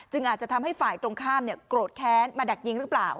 อาจจะทำให้ฝ่ายตรงข้ามโกรธแค้นมาดักยิงหรือเปล่า